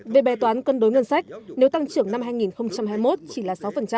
về bè toán cân đối ngân sách nếu tăng trưởng năm hai nghìn hai mươi một chỉ là sáu